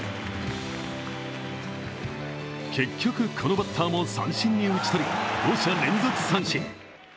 結局、このバッターも三振に打ち取り５者連続三振。